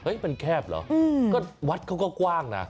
มันแคบเหรอก็วัดเขาก็กว้างนะ